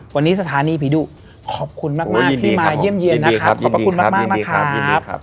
วันนี้สถานีผีดุขอบคุณมากที่มาเยี่ยมเยี่ยมนะครับขอบพระคุณมากนะครับ